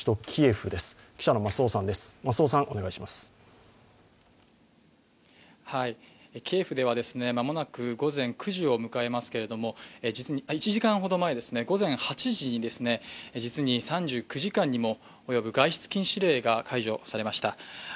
キエフでは、間もなく午前９時を迎えますけれども実に、１時間ほど前、午前８時に実に３９時間にも及ぶ外出禁止令が解除されました。